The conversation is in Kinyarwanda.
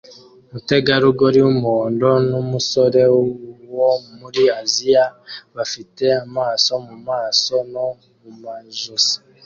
Umutegarugori wumuhondo numusore wo muri Aziya bafite amaraso mumaso no mumajosi